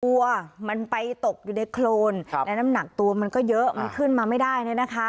วัวมันไปตกอยู่ในโครนและน้ำหนักตัวมันก็เยอะมันขึ้นมาไม่ได้เนี่ยนะคะ